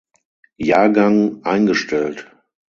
Jahrgang eingestellt.